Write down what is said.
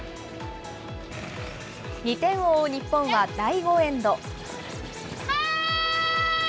２点を追う日本は第５エンド。